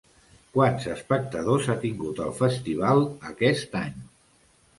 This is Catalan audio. Quants espectadors ha tingut el Festival aquest any?